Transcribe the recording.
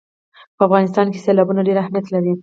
په افغانستان کې سیلابونه ډېر اهمیت لري.